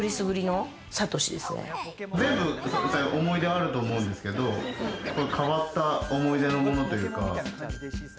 全部思い出あると思うんですけれども、変わった思い出のものというか。